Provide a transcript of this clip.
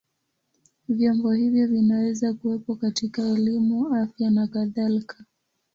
Vyombo hivyo vinaweza kuwepo katika elimu, afya na kadhalika.